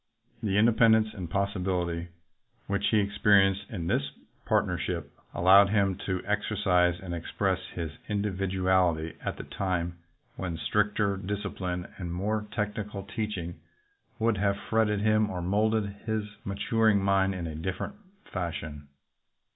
The independence and responsibility which he 101 LINCOLN THE LAWYER experienced in this partnership allowed him to exercise and express his individuality at a time when stricter discipline and more technical teach ing would have fretted him or molded his matur ing mind in a different fashion.